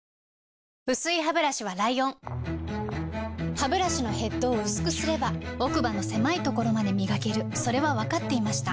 薄いハブラシはライオンハブラシのヘッドを薄くすれば奥歯の狭いところまで磨けるそれは分かっていました